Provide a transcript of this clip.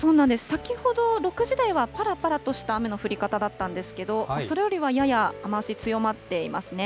先ほど６時台は、ぱらぱらとした雨の降り方だったんですけれども、それよりはやや雨足強まっていますね。